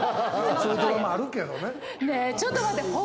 そういうドラマあるけどね。